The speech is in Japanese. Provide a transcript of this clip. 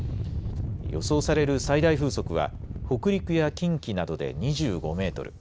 予想される最大風速は北陸や近畿などで２５メートル